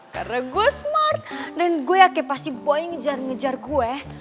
karena gue smart dan gue yakin pasti boy ngejar ngejar gue